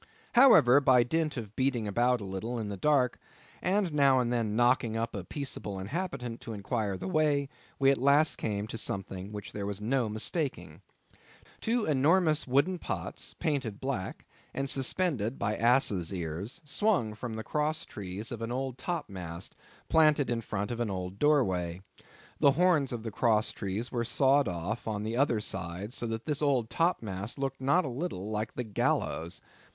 However, by dint of beating about a little in the dark, and now and then knocking up a peaceable inhabitant to inquire the way, we at last came to something which there was no mistaking. Two enormous wooden pots painted black, and suspended by asses' ears, swung from the cross trees of an old top mast, planted in front of an old doorway. The horns of the cross trees were sawed off on the other side, so that this old top mast looked not a little like a gallows.